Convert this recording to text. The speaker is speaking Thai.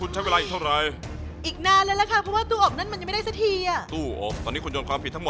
จริงเสียงข้าวเหนียวของพวกคุณล่ะ